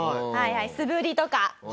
素振りとか。